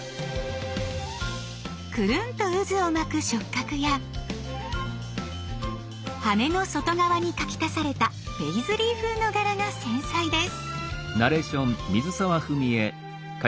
クルンとうずを巻く触角や羽の外側に描き足されたペイズリー風の柄が繊細です。